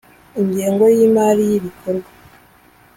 Ingengo y Imari y ibikorwa